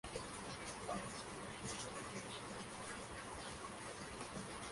Sebastián Torre lo reemplazó de cara a la siguiente temporada.